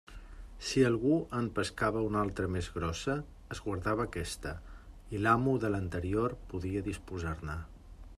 Si algú en pescava una altra més grossa, es guardava aquesta, i l'amo de l'anterior podia disposar-ne.